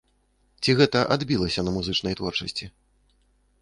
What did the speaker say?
Ці гэта адбілася на музычнай творчасці?